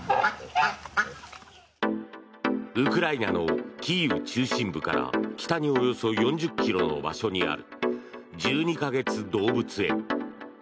ウクライナのキーウ中心部から北におよそ４０ｋｍの場所にある１２か月動物園。